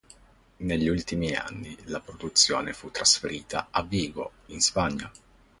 Negli ultimi anni, la produzione fu trasferita a Vigo, in Spagna.